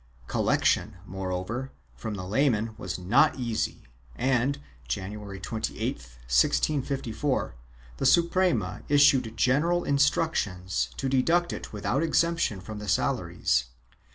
Collection, moreover, from the laymen was not easy and, January 28, 1654, the Suprema issued general instructions to deduct it without exception from the salaries.